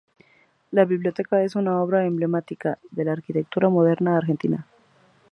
La Biblioteca es una obra emblemática de la arquitectura moderna argentina.